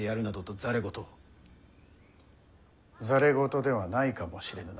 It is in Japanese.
ざれ言ではないかもしれぬな。